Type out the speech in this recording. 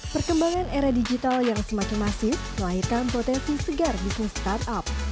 perkembangan era digital yang semakin masif melahirkan potensi segar bisnis startup